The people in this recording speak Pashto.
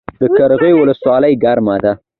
د قرغیو ولسوالۍ ګرمه ده